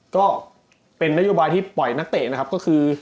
ก็เป็นนโยบายที่ปล่อยนักเตะนะครับก็คือ